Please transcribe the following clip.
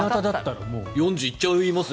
４０度行っちゃいますね。